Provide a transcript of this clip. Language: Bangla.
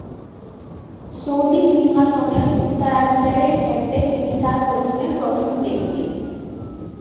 সৌদি সিংহাসনের উত্তরাধিকারের ক্ষেত্রে তিনি তার প্রজন্মের প্রথম ব্যক্তি।